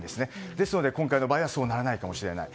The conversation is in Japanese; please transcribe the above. ですので今回の場合はそうならないかもしれない。